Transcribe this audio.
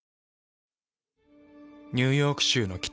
ニューヨーク州の北。